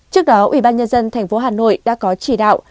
trước đó ủy ban nhân dân thành phố hà nội đã có chỉ đạo